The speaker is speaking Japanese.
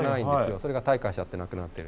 それが退化しちゃってなくなってる。